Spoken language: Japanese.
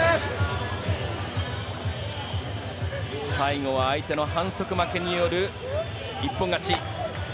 最後は相手の反則負けによる一本勝ち。